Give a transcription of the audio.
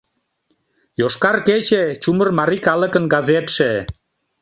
«ЙОШКАР КЕЧЕ» — ЧУМЫР МАРИЙ КАЛЫКЫН ГАЗЕТШЕ